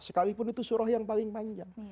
sekalipun itu surah yang paling panjang